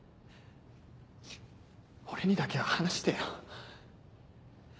俺にだけは話してよ。